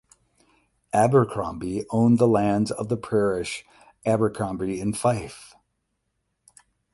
Abercromby owned the lands of the parish Abercrombie in Fife.